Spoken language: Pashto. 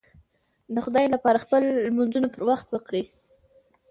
د خدای لپاره خپل لمونځونه پر وخت کوئ